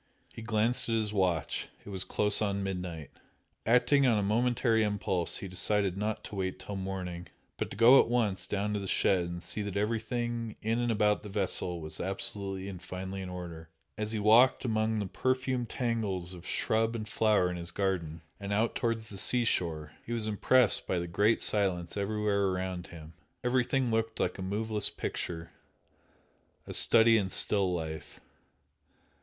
He glanced at his watch, it was close on midnight. Acting on a momentary impulse he decided not to wait till morning, but to go at once down to the shed and see that everything in and about the vessel was absolutely and finally in order. As he walked among the perfumed tangles of shrub and flower in his garden, and out towards the sea shore he was impressed by the great silence everywhere around him. Everything looked like a moveless picture a study in still life.